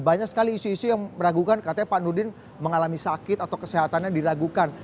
banyak sekali isu isu yang meragukan katanya pak nurdin mengalami sakit atau kesehatannya diragukan